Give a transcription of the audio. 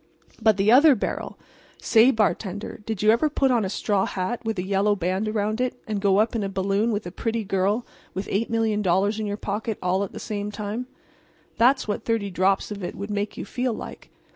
"But the other barrel! Say, bartender, did you ever put on a straw hat with a yellow band around it and go up in a balloon with a pretty girl with $8,000,000 in your pocket all at the same time? That's what thirty drops of it would make you feel like.